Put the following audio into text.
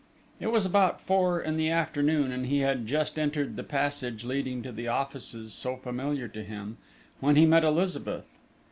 It was about four in the afternoon, and he had just entered the passage leading to the offices so familiar to him, when he met Elizabeth.